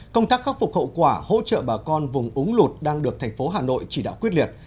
công tác khắc phục hậu quả hỗ trợ bà con vùng úng lụt đang được thành phố hà nội chỉ đạo quyết liệt